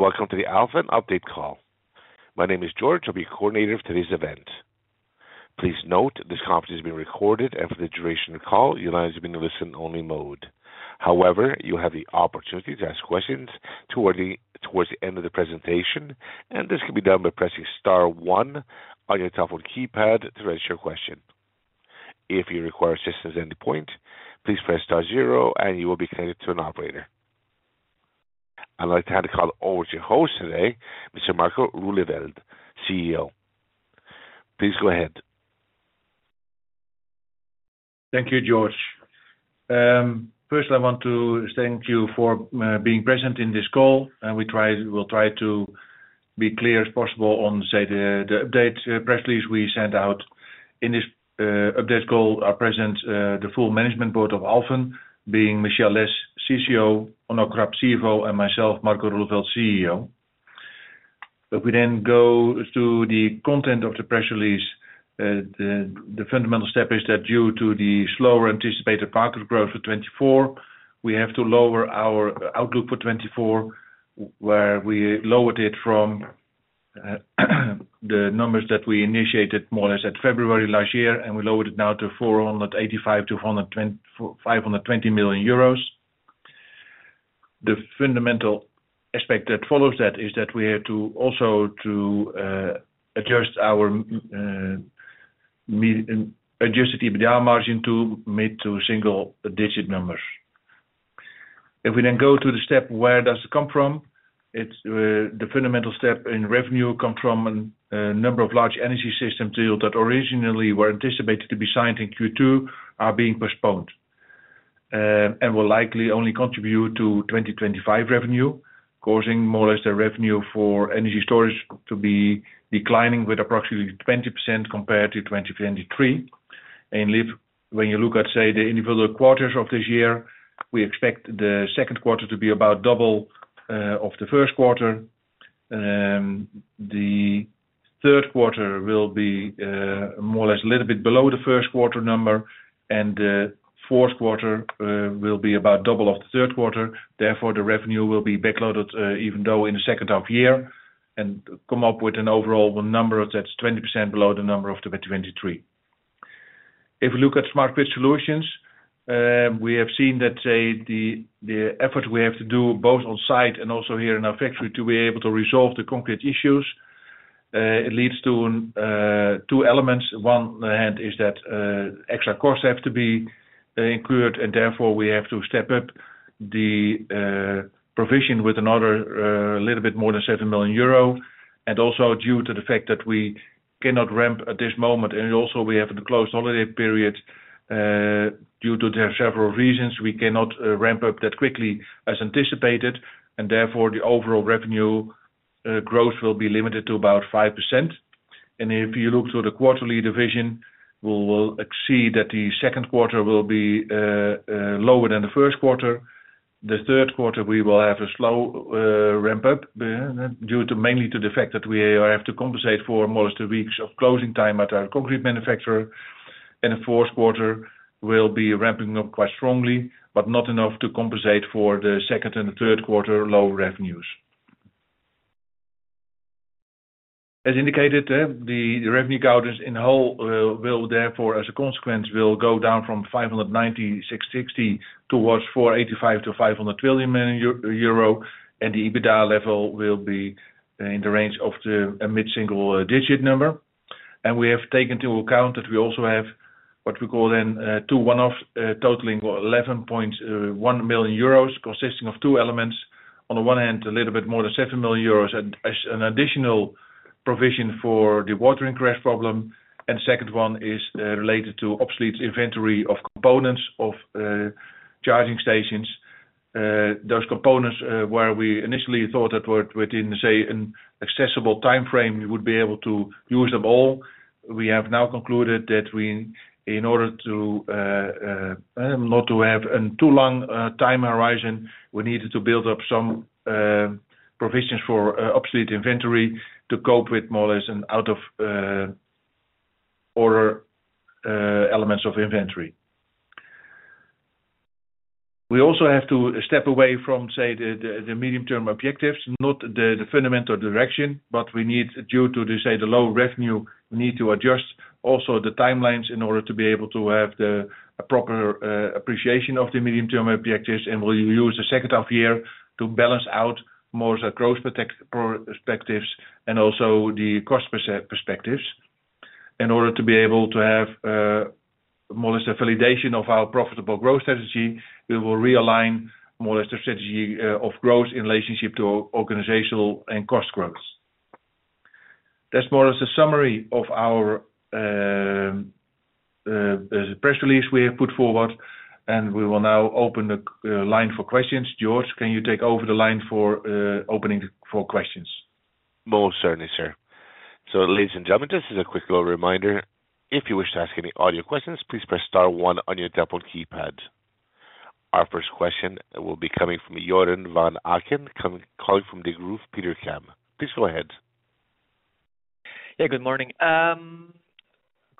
Welcome to the Alfen Update Call. My name is George, I'll be your coordinator for today's event. Please note this conference is being recorded, and for the duration of the call, your line is in a listen-only mode. However, you'll have the opportunity to ask questions towards the end of the presentation, and this can be done by pressing Star one on your telephone keypad to register your question. If you require assistance at any point, please press Star zero, and you will be connected to an operator. I'd like to hand the call over to your host today, Mr. Marco Roeleveld, CEO. Please go ahead. Thank you, George. First, I want to thank you for being present in this call, and we'll try to be clear as possible on, say, the update press release we send out. In this update call are present the full management board of Alfen, being Michelle Lesh, CCO, Onno Krap, CFO, and myself, Marco Roeleveld, CEO. If we then go to the content of the press release, the fundamental step is that due to the slower anticipated market growth for 2024, we have to lower our outlook for 2024, where we lowered it from the numbers that we initiated more or less at February last year, and we lowered it now to 485 million-520 million euros. The fundamental aspect that follows that is that we have to also adjust our adjusted EBITDA margin to mid-single-digit numbers. If we then go to the step, where does it come from? The fundamental step in revenue comes from a number of large energy system deals that originally were anticipated to be signed in Q2 are being postponed and will likely only contribute to 2025 revenue, causing more or less the revenue for energy storage to be declining with approximately 20% compared to 2023. When you look at, say, the individual quarters of this year, we expect the Q2 to be about double of the Q1. The Q3 will be more or less a little bit below the Q1 number, and the Q4 will be about double of the Q3. Therefore, the revenue will be backloaded even though in the second half year and come up with an overall number that's 20% below the number of 2023. If we look at smart grid solutions, we have seen that, say, the effort we have to do both on site and also here in our factory to be able to resolve the concrete issues, it leads to two elements. On one hand is that extra costs have to be incurred, and therefore we have to step up the provision with another little bit more than 7 million euro. And also, due to the fact that we cannot ramp at this moment, and also we have the closed holiday period, due to several reasons, we cannot ramp up that quickly as anticipated, and therefore the overall revenue growth will be limited to about 5%. And if you look to the quarterly division, we will see that the Q2 will be lower than the Q1. The Q3, we will have a slow ramp up mainly to the fact that we have to compensate for more or less two weeks of closing time at our concrete manufacturer. And the Q4 will be ramping up quite strongly, but not enough to compensate for the second and Q3 low revenues. As indicated, the revenue guidance as a whole will therefore, as a consequence, go down from 590-660 million euro to EUR 485-512 million, and the EBITDA level will be in the range of the mid-single-digit number. We have taken into account that we also have what we call then two one-off totaling 11.1 million euros, consisting of two elements. On the one hand, a little bit more than 7 million euros as an additional provision for the warranty case problem. And the second one is related to obsolete inventory of components of charging stations. Those components where we initially thought that within, say, an accessible time frame, we would be able to use them all. We have now concluded that in order to not have a too long time horizon, we needed to build up some provisions for obsolete inventory to cope with more or less out of order elements of inventory. We also have to step away from, say, the medium-term objectives, not the fundamental direction, but we need, due to, say, the low revenue, we need to adjust also the timelines in order to be able to have the proper appreciation of the medium-term objectives. And we'll use the second half year to balance out more of the growth perspectives and also the cost perspectives. In order to be able to have more or less a validation of our profitable growth strategy, we will realign more or less the strategy of growth in relationship to organizational and cost growth. That's more or less a summary of the press release we have put forward, and we will now open the line for questions. George, can you take over the line for opening for questions? Most certainly, sir. So ladies and gentlemen, just as a quick reminder, if you wish to ask any audio questions, please press Star one on your telephone keypad. Our first question will be coming from Joren van Aken, calling from the Degroof Petercam. Please go ahead. Good morning. A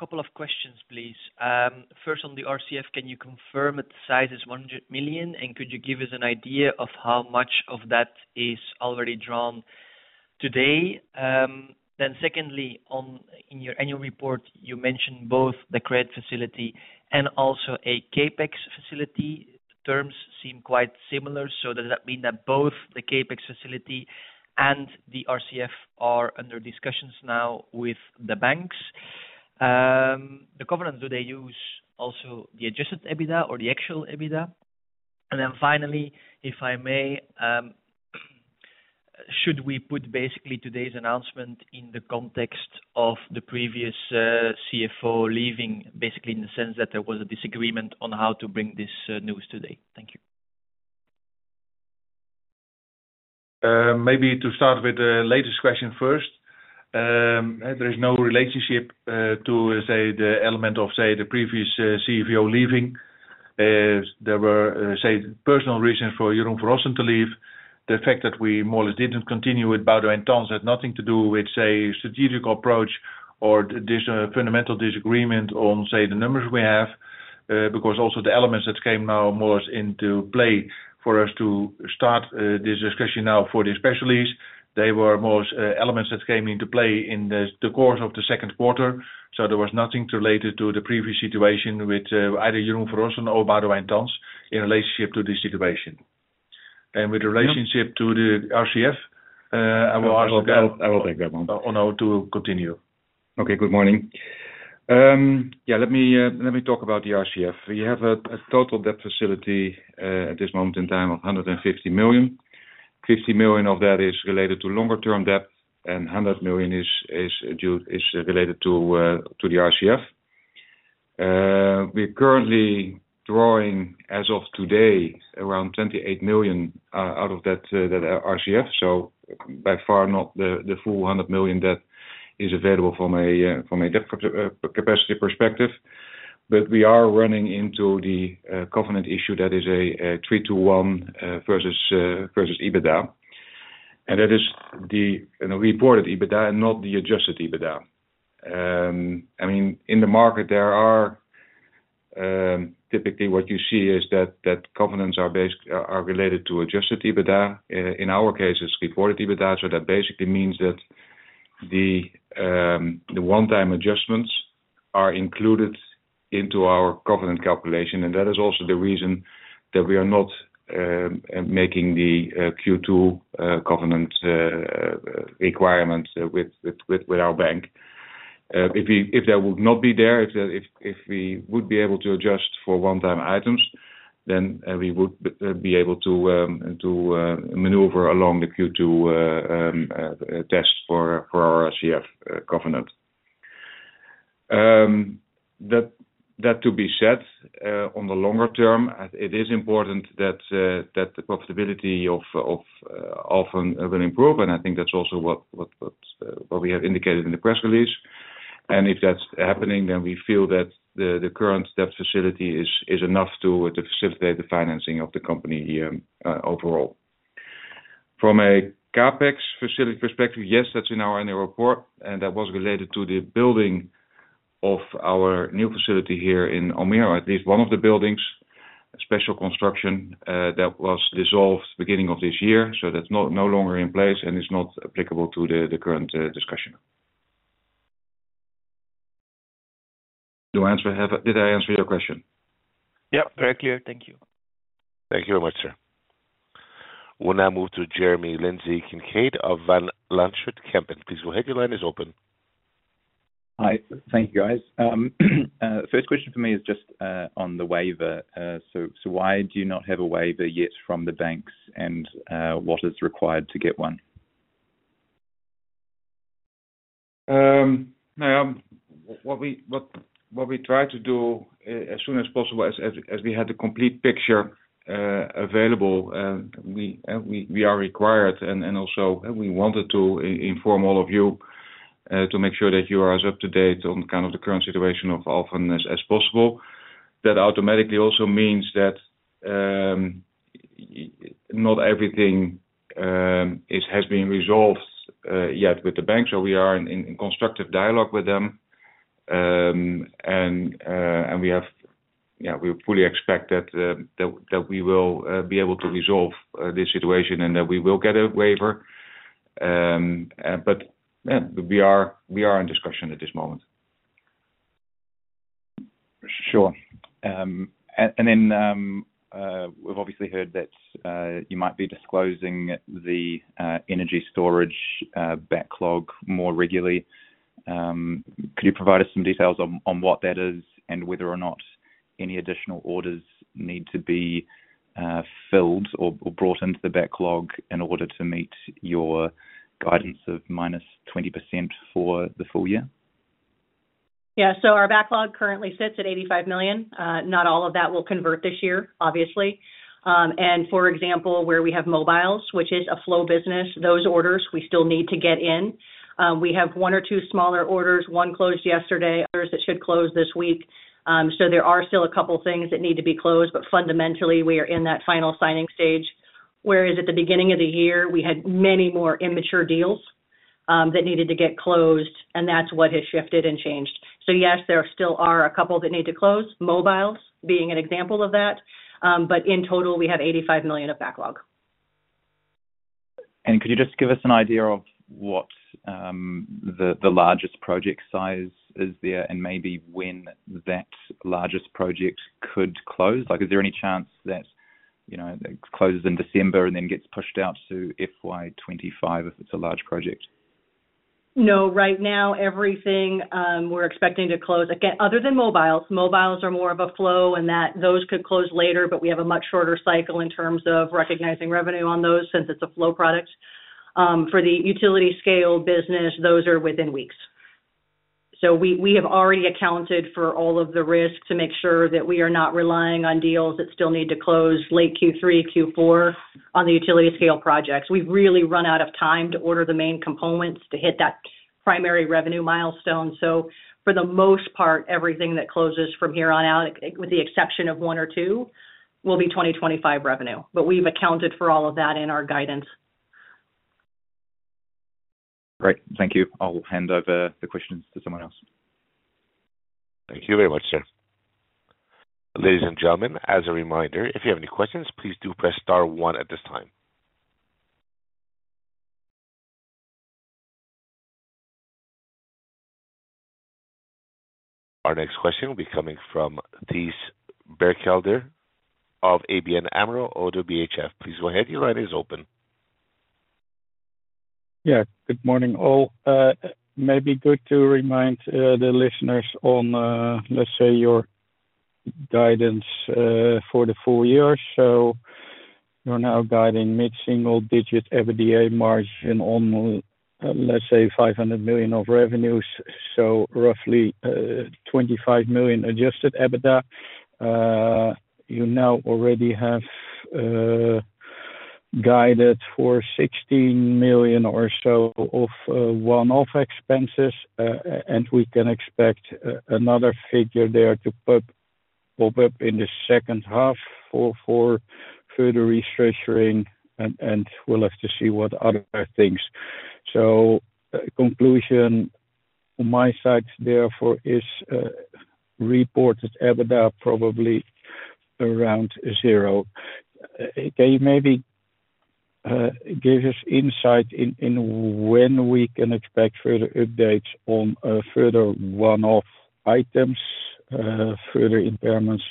couple of questions, please. First, on the RCF, can you confirm that the size is 100 million? Could you give us an idea of how much of that is already drawn today? Then secondly, in your annual report, you mentioned both the credit facility and also a CapEx facility. The terms seem quite similar. So does that mean that both the CapEx facility and the RCF are under discussions now with the banks? The governance, do they use also the adjusted EBITDA or the actual EBITDA? And then finally, if I may, should we put basically today's announcement in the context of the previous CFO leaving, basically in the sense that there was a disagreement on how to bring this news today? Thank you. Maybe to start with the latest question first. There is no relationship to, say, the element of, say, the previous CFO leaving. There were, say, personal reasons for Jeroen van Rossen to leave. The fact that we more or less didn't continue with Boudewijn Tans had nothing to do with, say, a strategic approach or this fundamental disagreement on, say, the numbers we have, because also the elements that came now more or less into play for us to start this discussion now for this press release, They were more or less elements that came into play in the course of the Q2. There was nothing related to the previous situation with either Jeroen van Rossen or Boudewijn Tans in relationship to this situation. With the relationship to the RCF, I will ask that. I will take that one. On how to continue. Okay, good morning. Let me talk about the RCF. We have a total debt facility at this moment in time of 150 million. 50 million of that is related to longer-term debt, and 100 million is related to the RCF. We're currently drawing, as of today, around 28 million out of that RCF. So by far not the full 100 million debt is available from a debt capacity perspective. We are running into the covenant issue that is a 3:1 versus EBITDA. And that is the reported EBITDA and not the adjusted EBITDA. I mean, in the market, there are typically what you see is that covenants are related to adjusted EBITDA. In our case, it's reported EBITDA. So that basically means that the one-time adjustments are included into our covenant calculation. That is also the reason that we are not making the Q2 covenant requirement with our bank. If that would not be there, if we would be able to adjust for one-time items, then we would be able to maneuver along the Q2 test for our RCF covenant. That to be said, on the longer term, it is important that the profitability often will improve. I think that's also what we have indicated in the press release. If that's happening, then we feel that the current debt facility is enough to facilitate the financing of the company overall. From a CapEx facility perspective, yes, that's in our annual report. That was related to the building of our new facility here in Almere, or at least one of the buildings, a special construction that was dissolved at the beginning of this year. So that's no longer in place and is not applicable to the current discussion. Did I answer your question? Yep, very clear. Thank you. Thank you very much, sir. We'll now move to Jeremy Lindsay Kincaid of Van Lanschot Kempen. Please go ahead. Your line is open. Hi, thank you, guys. First question for me is just on the waiver. So why do you not have a waiver yet from the banks, and what is required to get one? Now, what we try to do as soon as possible is we had the complete picture available. We are required, and also we wanted to inform all of you to make sure that you are as up to date on kind of the current situation of Alfen as possible. That automatically also means that not everything has been resolved yet with the banks. We are in constructive dialogue with them. We fully expect that we will be able to resolve this situation and that we will get a waiver. We are in discussion at this moment. Sure. And then we've obviously heard that you might be disclosing the energy storage backlog more regularly. Could you provide us some details on what that is and whether or not any additional orders need to be filled or brought into the backlog in order to meet your guidance of -20% for the full year? Yeah. So our backlog currently sits at 85 million. Not all of that will convert this year, obviously. And for example, where we have mobiles, which is a flow business, those orders we still need to get in. We have one or two smaller orders, one closed yesterday, others that should close this week. So there are still a couple of things that need to be closed. Fundamentally, we are in that final signing stage, whereas at the beginning of the year, we had many more immature deals that needed to get closed, and that's what has shifted and changed. So yes, there still are a couple that need to close, mobiles being an example of that. But in total, we have 85 million of backlog. Could you just give us an idea of what the largest project size is there and maybe when that largest project could close? Is there any chance that it closes in December and then gets pushed out to FY 2025 if it's a large project? No. Right now, everything we're expecting to close, again, other than mobiles, mobiles are more of a flow in that those could close later, but we have a much shorter cycle in terms of recognizing revenue on those since it's a flow product. For the utility-scale business, those are within weeks. We have already accounted for all of the risk to make sure that we are not relying on deals that still need to close late Q3, Q4 on the utility-scale projects. We've really run out of time to order the main components to hit that primary revenue milestone. So for the most part, everything that closes from here on out, with the exception of one or two, will be 2025 revenue. But we've accounted for all of that in our guidance. Great. Thank you. I'll hand over the questions to someone else. Thank you very much, sir. Ladies and gentlemen, as a reminder, if you have any questions, please do press Star one at this time. Our next question will be coming from Thijs Berkelder of ABN AMRO ODDO BHF. Please go ahead. Your line is open. Good morning all. Maybe good to remind the listeners on, let's say, your guidance for the full year. So you're now guiding mid-single-digit EBITDA margin on, let's say, 500 million of revenues. So roughly 25 million adjusted EBITDA. You now already have guided for 16 million or so of one-off expenses. And we can expect another figure there to pop up in the second half for further restructuring. We'll have to see what other things. Conclusion on my side therefore is reported EBITDA probably around zero. Can you maybe give us insight in when we can expect further updates on further one-off items, further impairments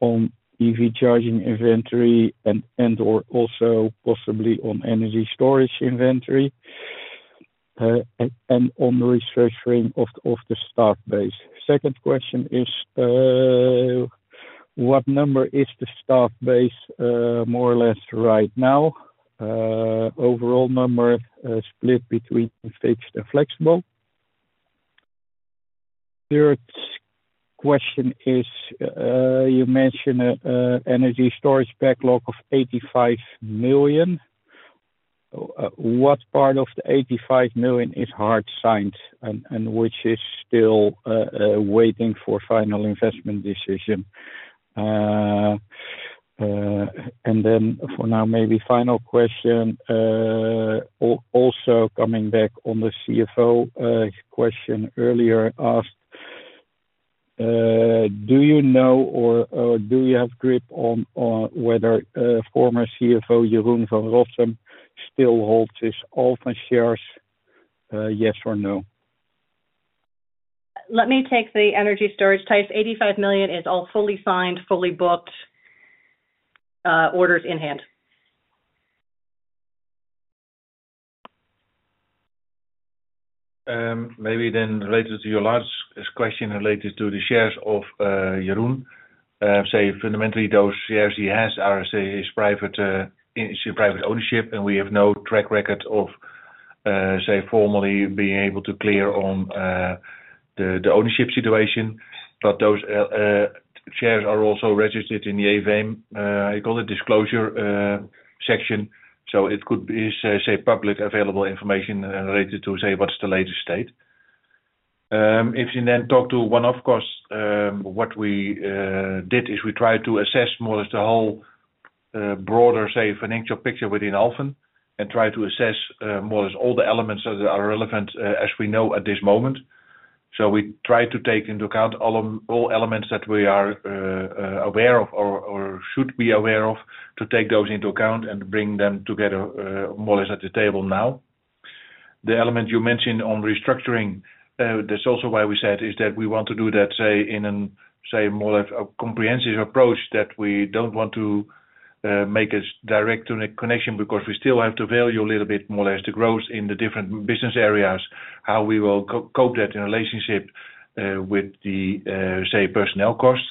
on EV charging inventory, and/or also possibly on energy storage inventory, and on the restructuring of the staff base? Second question is, what number is the staff base more or less right now? Overall number split between fixed and flexible? Third question is, you mentioned an energy storage backlog of 85 million. What part of the 85 million is hard signed and which is still waiting for final investment decision? And then for now, maybe final question, also coming back on the CFO question earlier asked, do you know or do you have grip on whether former CFO Jeroen van Rossen still holds his Alfen shares? Yes or no? Let me take the energy storage type. 85 million is all fully signed, fully booked orders in hand. Maybe then related to your last question related to the shares of Jeroen, say, fundamentally, those shares he has are his private ownership, and we have no track record of, say, formally being able to clear on the ownership situation. But those shares are also registered in the AFM, how you call it, disclosure section. It could be, say, public available information related to, say, what's the latest state. If you then talk to one-off costs, what we did is we tried to assess more or less the whole broader, say, financial picture within Alfen and try to assess more or less all the elements that are relevant as we know at this moment. So we tried to take into account all elements that we are aware of or should be aware of to take those into account and bring them together more or less at the table now. The element you mentioned on restructuring, that's also why we said is that we want to do that in a more or less comprehensive approach that we don't want to make a direct connection because we still have to value a little bit more or less the growth in the different business areas, how we will cope that in relationship with the personnel costs.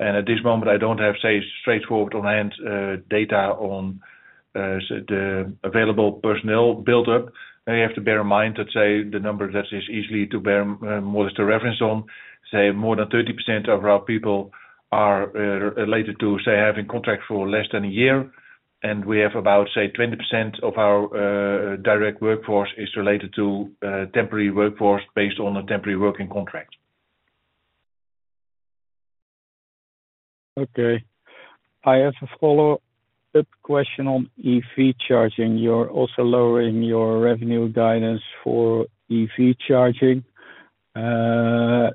At this moment, I don't have straightforward on-hand data on the available personnel buildup. You have to bear in mind that the number that is easily to bear more or less to reference on more than 30% of our people are related to having contracts for less than a year. We have about 20% of our direct workforce is related to temporary workforce based on a temporary working contract. I have a follow-up question on EV charging. You're also lowering your revenue guidance for EV charging. The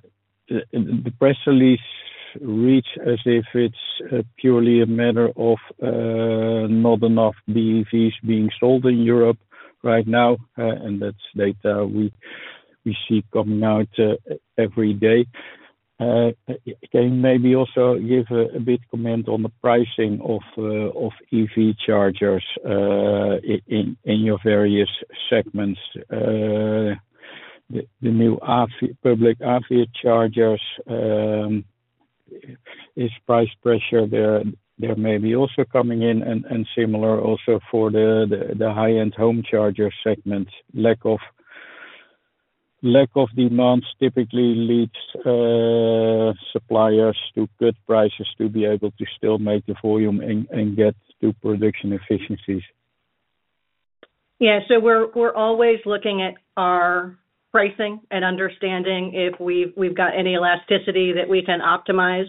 press release reads as if it's purely a matter of not enough BEVs being sold in Europe right now. And that's data we see coming out every day. Can you maybe also give a bit of comment on the pricing of EV chargers in your various segments? The new public AFIR chargers, is price pressure there maybe also coming in? Similar also for the high-end home charger segment. Lack of demands typically leads suppliers to cut prices to be able to still make the volume and get to production efficiencies. Yeah. So we're always looking at our pricing and understanding if we've got any elasticity that we can optimize.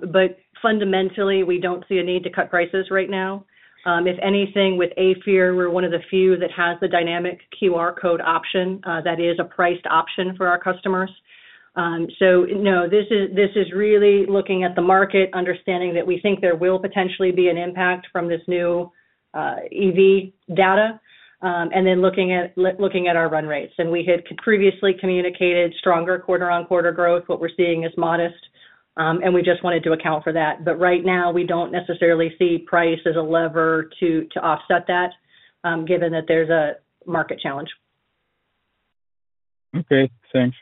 But fundamentally, we don't see a need to cut prices right now. If anything, with Alfen, we're one of the few that has the dynamic QR code option that is a priced option for our customers. No, this is really looking at the market, understanding that we think there will potentially be an impact from this new EV data, and then looking at our run rates. We had previously communicated stronger quarter-on-quarter growth. What we're seeing is modest, and we just wanted to account for that. But right now, we don't necessarily see price as a lever to offset that, given that there's a market challenge. Okay. Thanks.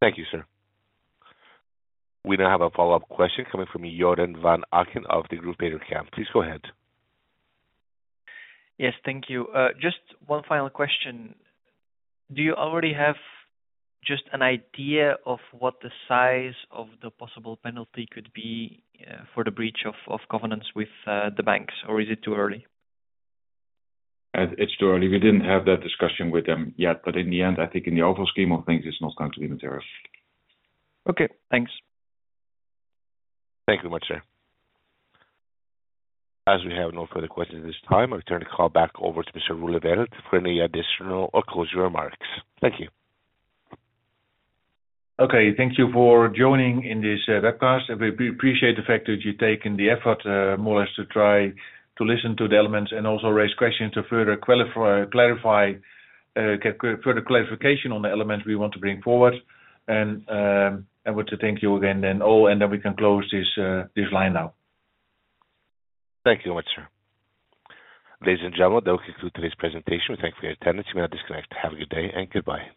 Thank you, sir. We now have a follow-up question coming from Joren van Aken of Degroof Petercam. Please go ahead. Yes. Thank you. Just one final question. Do you already have just an idea of what the size of the possible penalty could be for the breach of covenants with the banks, or is it too early? It's too early. We didn't have that discussion with them yet. But in the end, I think in the overall scheme of things, it's not going to be material. Okay. Thanks. Thank you very much, sir. As we have no further questions at this time, I'll turn the call back over to Mr. Roeleveld for any additional or closing remarks. Thank you. Thank you for joining in this webcast. We appreciate the fact that you've taken the effort more or less to try to listen to the elements and also raise questions to further clarify, get further clarification on the elements we want to bring forward. I want to thank you again then all, and then we can close this line now. Thank you very much, sir. Ladies and gentlemen, that will conclude today's presentation. We thank you for your attendance. You may now disconnect. Have a good day and goodbye. Thanks.